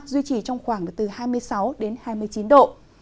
duy trì trong khoảng là từ hai mươi sáu đến hai mươi chín độ